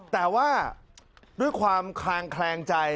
แต่ว่าด้วยความคลางแคลงใจ